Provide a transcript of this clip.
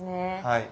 はい。